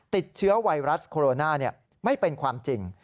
ติดเชื้อไวรัสโคโรนาไม่เป็นความจริง